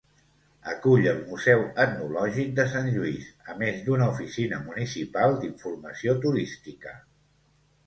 Acull el Museu Etnològic de Sant Lluís a més d'una oficina municipal d'informació turística.